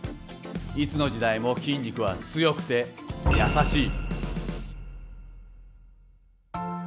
いつの時代も筋肉は強くて優しい。